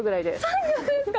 ３行ですか？